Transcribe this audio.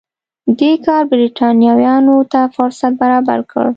دې کار برېټانویانو ته فرصت برابر کړ.